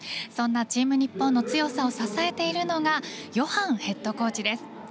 そんなチーム日本の強さを支えているのがヨハンヘッドコーチです。